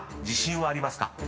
自信はありますか？］